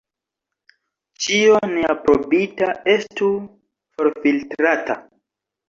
Ĉio neaprobita estu forfiltrata.